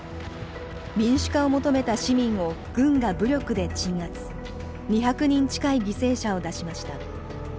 民主化を求めた市民を軍が武力で鎮圧２００人近い犠牲者を出しました。